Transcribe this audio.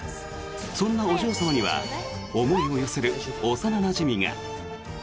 そんなお嬢様には思いを寄せる幼なじみが。